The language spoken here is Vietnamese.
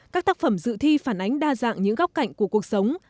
các tác phẩm dự thi phản ánh đa dạng những góc cạnh của cuộc sống